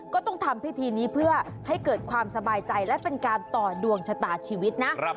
ก็ต้องทำพิธีนี้เพื่อให้เกิดความสบายใจและเป็นการต่อดวงชะตาชีวิตนะ